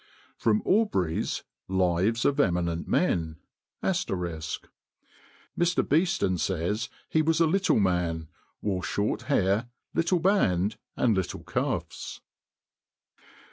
[Sidenote: Aubrey's Lives of Eminent Men. *] "Mr. Beeston sayes he was a little man, wore short haire, little band, and little cuffs."